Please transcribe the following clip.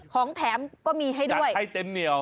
ของแถมก็มีให้ด้วย